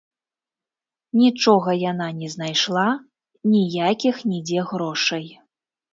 Нічога яна не знайшла, ніякіх нідзе грошай.